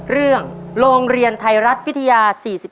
เรื่องโรงเรียนไทรรัฐวิทยา๔๒